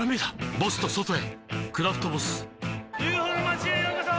ボスと外へ「クラフトボス」ＵＦＯの町へようこそ！